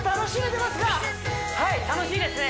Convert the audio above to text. はい楽しいですね